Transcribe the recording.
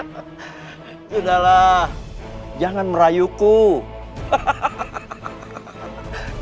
itu adalah jangan merayu ku hahaha